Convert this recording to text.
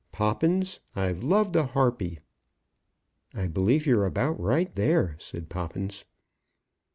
Poppins, I've loved a harpy." "I believe you're about right there," said Poppins.